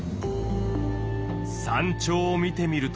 山頂を見てみると。